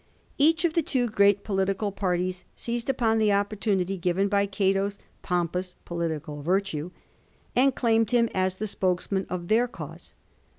Each of the two great political parties seized upon the opportunity given by Gate's pompous political virtue, and claimed him as the spokesman of their cause.